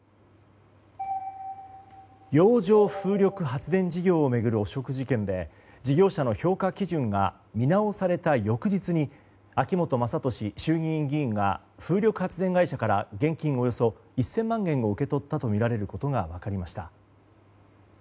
洋上風力発電事業を巡る汚職事件で事業者の評価基準が見直された翌日に秋本真利衆議院議員が風力発電会社から現金およそ１０００万円を受け取ったとみられることが分かりました。